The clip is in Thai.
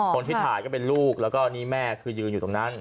คนที่ถ่ายก็เป็นลูกแล้วก็นี่แม่คือยืนอยู่ตรงนั้น